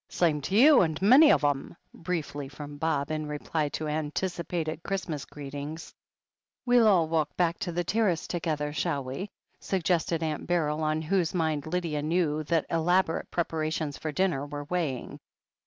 "Same to you and many of 'em/' briefly from Bob, in reply to anticipated Christmas greetings. "We'll all walk back to the Terrace together, shall we?" suggested Aunt Beryl, on whose mind Lydia knew that elaborate preparations for dinner were weighing.